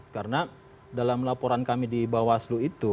karena dalam laporan kami di bawaslu itu